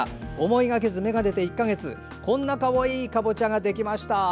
思いがけず芽が出て１か月こんなかわいいかぼちゃができました。